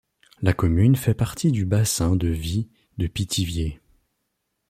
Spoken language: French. La commune fait partie du bassin de vie de Pithiviers.